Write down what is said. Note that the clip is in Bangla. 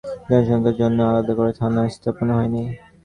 নগরায়ণের ফলে বৃদ্ধি পাওয়া জনসংখ্যার জন্য আলাদা করে থানা স্থাপনও হয়নি।